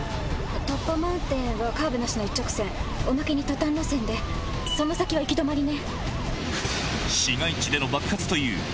トッパマウンテンへはカーブなしの一直線おまけに突端路線でその先は行き止まりね。